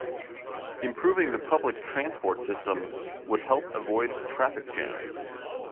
Improving the public transport system would help avoid traffic jams.